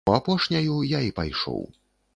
У апошняю я і пайшоў.